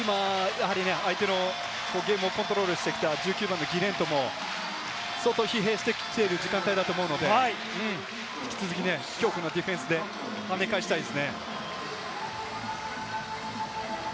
相手のゲームのコントロールしてきた１９番のギレントも相当疲弊してきている時間だと思うので、引き続き強固なディフェンスで跳ね返したいですね。